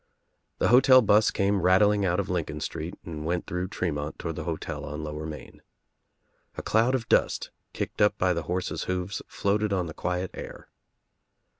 The hotel bus came rattling out of Lincoln Street and went through Tre mont toward the hotel on Lower Main. A cloud of dust kicked up by the horses' hoofs floated on the quiet air.